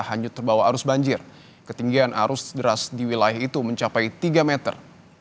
hanyut terbawa arus banjir ketinggian arus deras di wilayah itu mencapai tiga meter